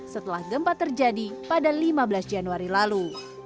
setelah gempa terjadi pada lima belas januari lalu